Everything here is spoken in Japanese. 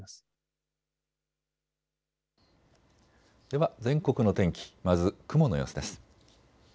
では全国の天気、まず雲の様子です。